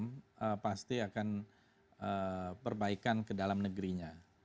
saya pikir itu pasti akan perbaikan ke dalam negerinya